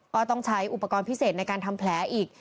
ก็ต้องใช้อุปกรณ์พิเศษในการทำแผลอีก